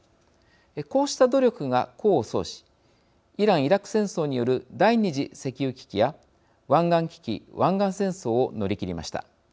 こうした努力が功を奏しイラン・イラク戦争による第２次石油危機や湾岸危機、湾岸戦争を乗り切りました。